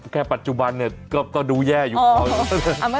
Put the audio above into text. แค่ปัจจุบันเนี่ยก็ดูแย่อยู่